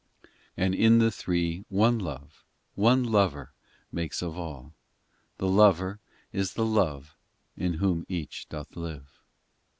VIII And in the Three one Love, One Lover makes of All ; The Lover is the Love In Whom Each doth live.